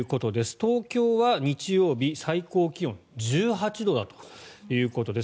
東京は日曜日、最高気温１８度だということです。